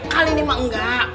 kali ini mah enggak